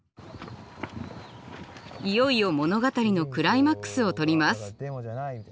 いよいよ物語のクライマックスを撮ります。